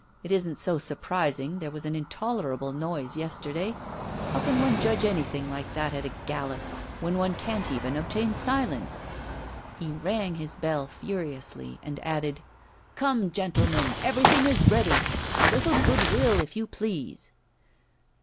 It isn't so surprising, there was an intolerable noise yesterday. How can one judge anything like that at a gallop, when one can't even obtain silence?' He rang his bell furiously, and added: 'Come, gentlemen, everything is ready a little good will, if you please.